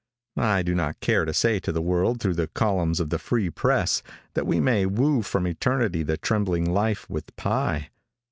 I do not care to say to the world through the columns of the Free Press, that we may woo from eternity the trembling life with pie.